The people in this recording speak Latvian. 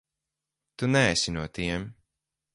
Tu neesi no tiem.